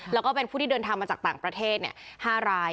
แล้วก็เป็นผู้ที่เดินทางมาจากต่างประเทศ๕ราย